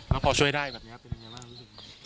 น้องพ่อช่วยได้แบบนี้ครับเป็นยังไงบ้าง